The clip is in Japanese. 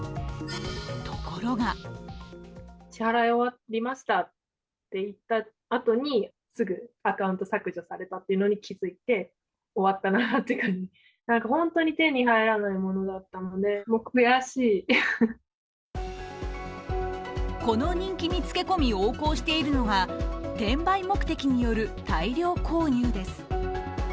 ところがこの人気につけ込み横行しているのが転売目的による大量購入です。